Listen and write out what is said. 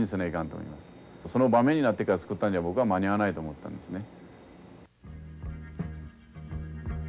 その場面になってからつくったんじゃ僕は間に合わないと思ったんですね。